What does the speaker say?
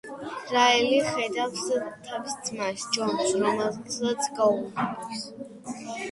რაელი ხედავს თავის ძმას, ჯონს, რომელიც გაურბის.